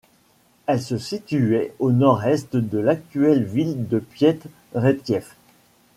Elle se situait au nord-est de l'actuelle ville de Piet Retief.